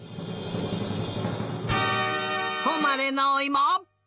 ほまれのおいも！